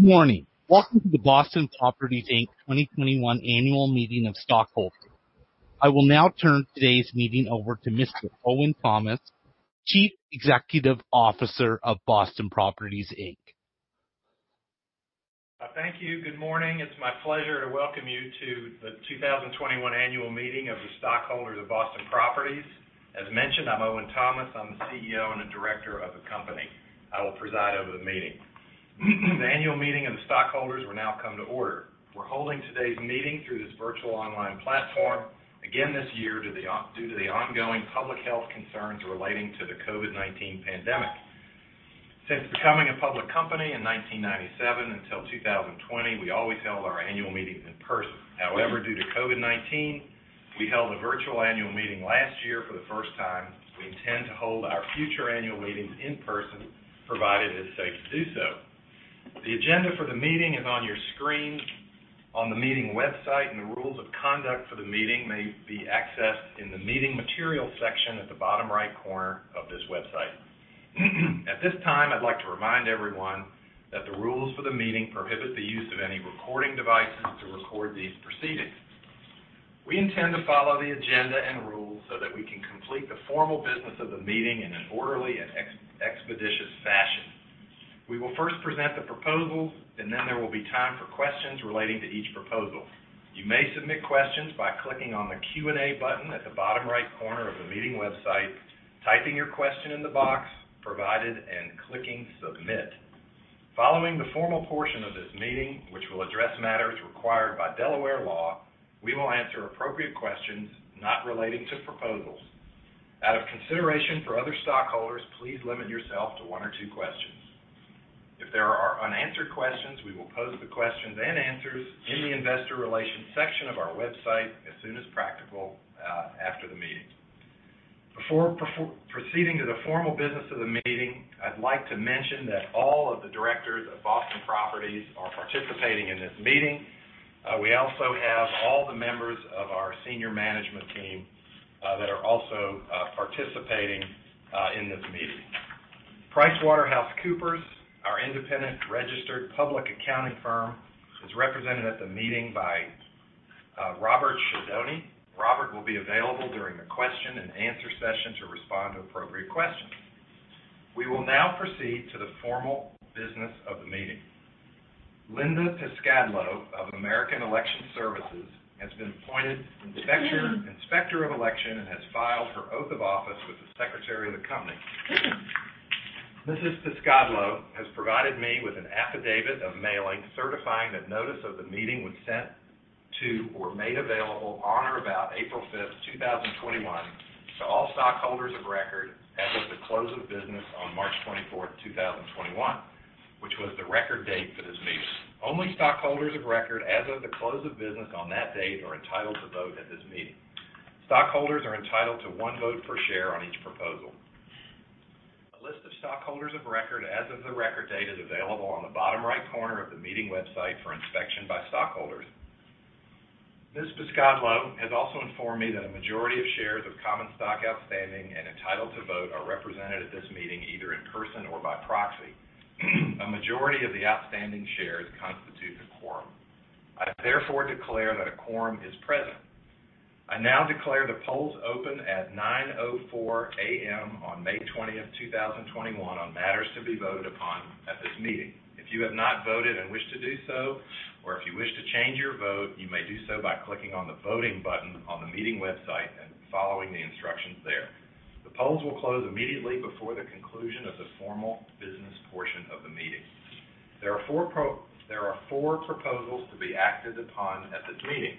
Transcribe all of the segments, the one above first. Good morning. Welcome to the Boston Properties Inc. 2021 Annual Meeting of Stockholders. I will now turn today's meeting over to Mr. Owen Thomas, Chief Executive Officer of Boston Properties Inc. Thank you. Good morning. It's my pleasure to welcome you to the 2021 Annual Meeting of the Stockholders of Boston Properties. As mentioned, I'm Owen Thomas. I'm the CEO and a Director of the company. I will preside over the meeting. The Annual Meeting of the Stockholders will now come to order. We're holding today's meeting through this virtual online platform again this year due to the ongoing public health concerns relating to the COVID-19 pandemic. Since becoming a public company in 1997 until 2020, we always held our annual meetings in person. However, due to COVID-19, we held a virtual annual meeting last year for the first time. We intend to hold our future annual meetings in person, provided it is safe to do so. The agenda for the meeting is on your screen on the meeting website, and the rules of conduct for the meeting may be accessed in the Meeting Materials section at the bottom right corner of this website. At this time, I'd like to remind everyone that the rules for the meeting prohibit the use of any recording devices to record these proceedings. We intend to follow the agenda and rules so that we can complete the formal business of the meeting in an orderly and expeditious fashion. We will first present the proposals, and then there will be time for questions relating to each proposal. You may submit questions by clicking on the Q&A button at the bottom right corner of the meeting website, typing your question in the box provided, and clicking Submit. Following the formal portion of this meeting, which will address matters required by Delaware law, we will answer appropriate questions not relating to proposals. Out of consideration for other stockholders, please limit yourself to one or two questions. If there are unanswered questions, we will post the questions and answers in the Investor Relations section of our website as soon as practical after the meeting. Before proceeding to the formal business of the meeting, I'd like to mention that all of the directors of Boston Properties are participating in this meeting. We also have all the members of our senior management team that are also participating in this meeting. PricewaterhouseCoopers, our independent registered public accounting firm, is represented at the meeting by Robert Sciaudone. Robert will be available during the question and answer session to respond to appropriate questions. We will now proceed to the formal business of the meeting. Linda Piscadlo of American Election Services has been appointed Inspector of Election and has filed her oath of office with the Secretary of the company. Mrs. Piscadlo has provided me with an affidavit of mailing certifying that notice of the meeting was sent to or made available on or about April 5th, 2021, to all stockholders of record as of the close of business on March 24th, 2021, which was the record date for this meeting. Only stockholders of record as of the close of business on that date are entitled to vote at this meeting. Stockholders are entitled to one vote per share on each proposal. A list of stockholders of record as of the record date is available on the bottom right corner of the meeting website for inspection by stockholders. Mrs. Piscadlo has also informed me that a majority of shares of common stock outstanding and entitled to vote are represented at this meeting, either in person or by proxy. A majority of the outstanding shares constitutes a quorum. I therefore declare that a quorum is present. I now declare the polls open at 9:04 A.M. on May 20th, 2021, on matters to be voted upon at this meeting. If you have not voted and wish to do so, or if you wish to change your vote, you may do so by clicking on the voting button on the meeting website and following the instructions there. The polls will close immediately before the conclusion of the formal business portion of the meeting. There are four proposals to be acted upon at this meeting.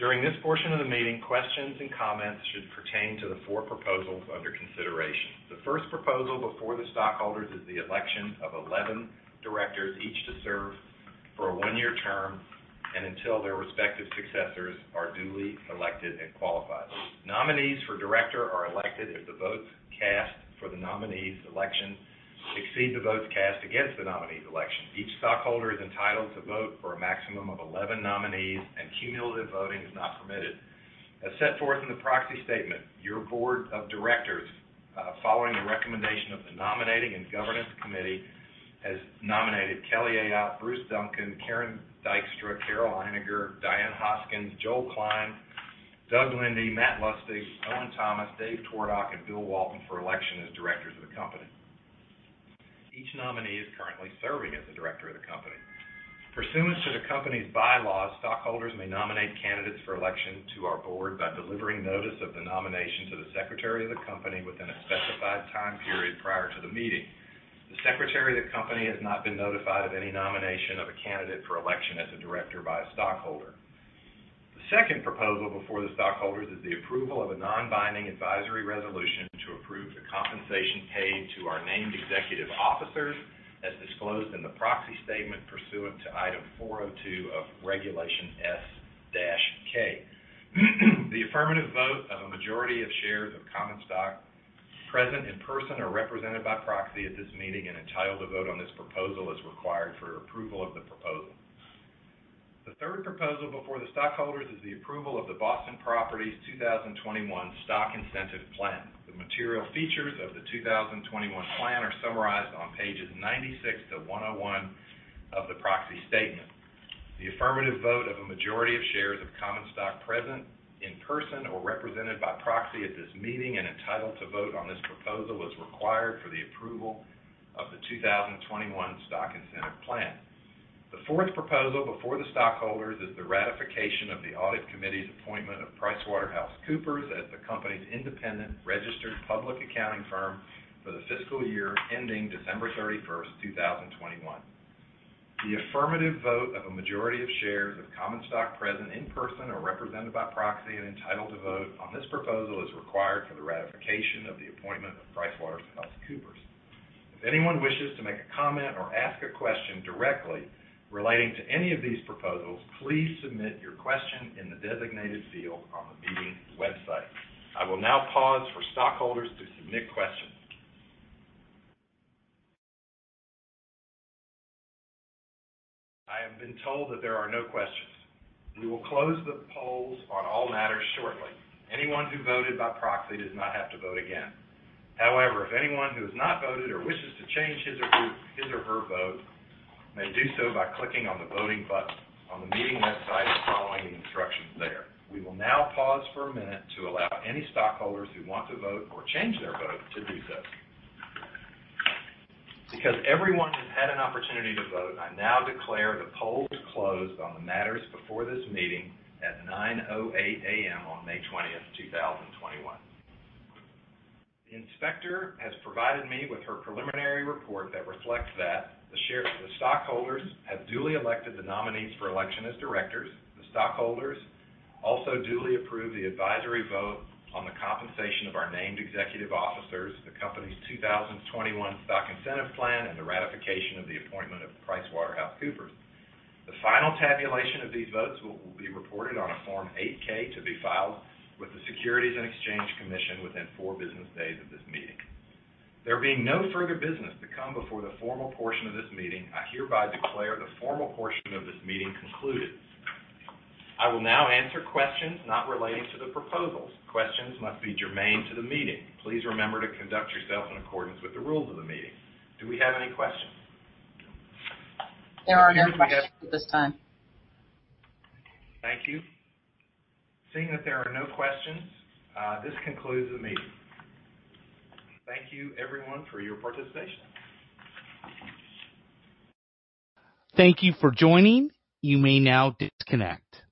During this portion of the meeting, questions and comments should pertain to the four proposals under consideration. The first proposal before the stockholders is the election of 11 directors, each to serve for a one-year term and until their respective successors are duly elected and qualified. Nominees for director are elected if the votes cast for the nominee's election exceed the votes cast against the nominee's election. Each stockholder is entitled to vote for a maximum of 11 nominees, and cumulative voting is not permitted. As set forth in the proxy statement, your board of directors, following the recommendation of the Nominating and Corporate Governance Committee, has nominated Kelly Ayotte, Bruce Duncan, Karen Dykstra, Carol Einiger, Diane Hoskins, Joel Klein, Doug Linde, Matthew Lustig, Owen Thomas, Dave Twardock, and Bill Walton for election as directors of the company. Each nominee is currently serving as a director of the company. Pursuant to the company's bylaws, stockholders may nominate candidates for election to our board by delivering notice of the nomination to the Secretary of the company within a specified time period prior to the meeting. The Secretary of the company has not been notified of any nomination of a candidate for election as a director by a stockholder. The second proposal before the stockholders is the approval of a non-binding advisory resolution to approve the compensation paid to our named executive officers as disclosed in the proxy statement pursuant to Item 402 of Regulation S-K. The affirmative vote of a majority of shares of common stock present in person or represented by proxy at this meeting and entitled to vote on this proposal is required for approval of the proposal. The third proposal before the stockholders is the approval of the Boston Properties 2021 Stock Incentive Plan. The material features of the 2021 Plan are summarized on pages 96 to 101 of the proxy statement. The affirmative vote of a majority of shares of common stock present in person or represented by proxy at this meeting and entitled to vote on this proposal is required for the approval of the 2021 Stock Incentive Plan. The fourth proposal before the stockholders is the ratification of the Audit Committee's appointment of PricewaterhouseCoopers as the company's independent registered public accounting firm for the fiscal year ending December 31st, 2021. The affirmative vote of a majority of shares of common stock present in person or represented by proxy and entitled to vote on this proposal is required for the ratification of the appointment of PricewaterhouseCoopers. If anyone wishes to make a comment or ask a question directly relating to any of these proposals, please submit your question in the designated field on the meeting's website. I will now pause for stockholders to submit questions. I have been told that there are no questions. We will close the polls on all matters shortly. Anyone who voted by proxy does not have to vote again. However, if anyone who has not voted or wishes to change his or her vote may do so by clicking on the voting button on the meeting website and following the instructions there. We will now pause for a minute to allow any stockholders who want to vote or change their vote to do so. Because everyone has had an opportunity to vote, I now declare the polls are closed on the matters before this meeting at 9:08 A.M. on May 20th, 2021. The inspector has provided me with her preliminary report that reflects that the stockholders have duly elected the nominees for election as directors. The stockholders also duly approved the advisory vote on the compensation of our named executive officers, the company's 2021 Stock Incentive Plan, and the ratification of the appointment of PricewaterhouseCoopers. The final tabulation of these votes will be reported on a Form 8-K to be filed with the Securities and Exchange Commission within four business days of this meeting. There being no further business to come before the formal portion of this meeting, I hereby declare the formal portion of this meeting concluded. I will now answer questions not relating to the proposals. Questions must be germane to the meeting. Please remember to conduct yourself in accordance with the rules of the meeting. Do we have any questions? There are no questions at this time. Thank you. Seeing that there are no questions, this concludes the meeting. Thank you everyone for your participation. Thank you for joining. You may now disconnect.